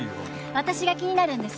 私が気になるんです。